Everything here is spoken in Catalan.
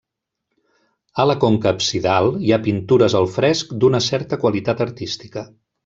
A la conca absidal hi ha pintures al fresc d'una certa qualitat artística.